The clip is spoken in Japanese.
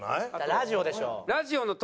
ラジオでしょ。